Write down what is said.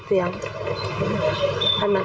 หัวเราะ